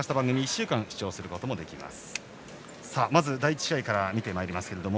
見逃した番組は１週間視聴することができます。